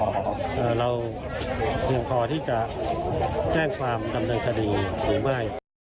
ว่าเราเตรียมพอที่จะแจ้งความดำเนินคดีสูงใหม่